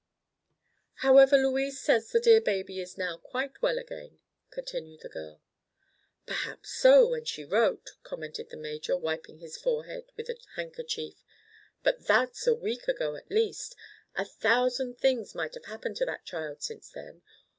"However, Louise says the dear baby is now quite well again," continued the girl. "Perhaps so, when she wrote," commented the major, wiping his forehead with a handkerchief; "but that's a week ago, at least. A thousand things might have happened to that child since then.